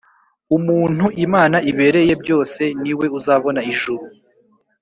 Umuntu imana ibereye byose niwe uzabona ijuru